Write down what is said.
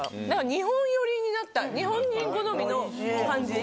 日本寄りになった日本人好みの感じ。